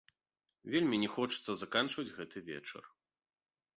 Вельмі не хочацца заканчваць гэты вечар.